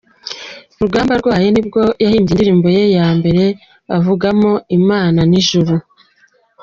Rugamba arwaye nibwo yahimbye indirimbo ye ya mbere avugamo Imana n’Ijuru .